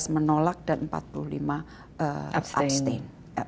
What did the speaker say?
empat belas menolak dan empat puluh lima abstain